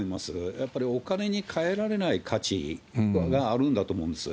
やっぱりお金に換えられない価値があるんだと思うんです。